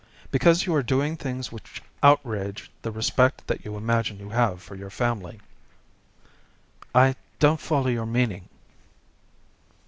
"Because you are doing things which outrage the respect that you imagine you have for your family." "I don't follow your meaning."